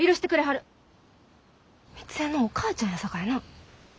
みつえのお母ちゃんやさかいな。